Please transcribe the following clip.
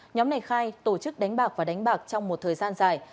nhóm này khai tổ chức đánh bạc và đánh bạc trong một thời gian dài